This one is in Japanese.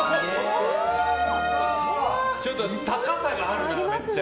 ちょっと高さがあるなめっちゃ。